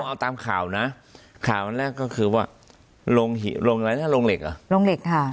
เอาตามข่าวนะข่าวอันแรกก็คือว่าลงอะไรถ้าโรงเหล็กอ่ะลงเหล็กค่ะ